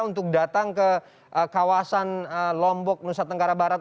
untuk datang ke kawasan lombok nusa tenggara barat